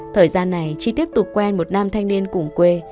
thời gian này chi tiếp tục quen một nam thanh niên cùng quê